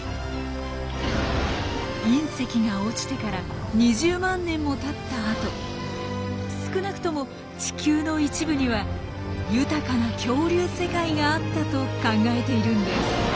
隕石が落ちてから２０万年もたった後少なくとも地球の一部には豊かな恐竜世界があったと考えているんです。